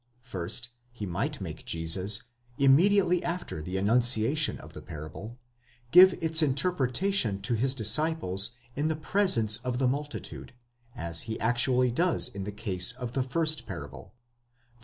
First, he might make Jesus, immediately after the enunciation of a parable, give its interpretation to his disciples in the presence of the multitude, as he actually does in the case of the first parable (10 23).